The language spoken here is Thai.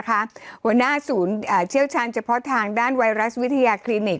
หัวหน้าศูนย์เชี่ยวชาญเฉพาะทางด้านไวรัสวิทยาคลินิก